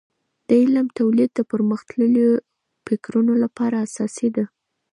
د علم تولید د پرمختللیو فکرونو لپاره اساسي ده.